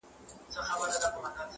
د غمونو درته مخ د خوښۍ شا سي؛